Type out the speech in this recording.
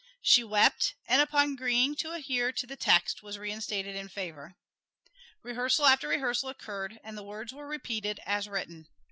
She wept, and upon agreeing to adhere to the text was reinstated in favor. Rehearsal after rehearsal occurred, and the words were repeated as written.